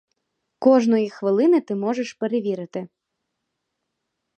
Кожної хвилини ти можеш перевірити.